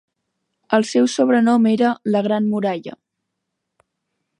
El seu sobrenom era "La gran muralla".